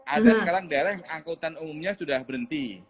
ada sekarang daerah yang angkutan umumnya sudah berhenti